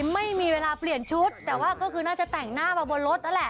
ไม่มีเวลาเปลี่ยนชุดแต่ว่าก็คือน่าจะแต่งหน้ามาบนรถนั่นแหละ